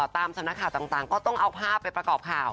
ตามสำนักข่าวต่างก็ต้องเอาภาพไปประกอบข่าว